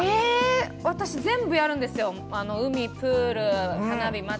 私、全部やるんですよ、海、プール、祭り、花火。